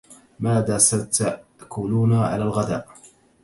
ماذا ستأكلون على الغداء؟